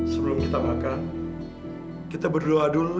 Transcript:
sebelum kita makan kita berdoa dulu